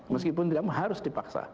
meskipun tidak harus dipaksa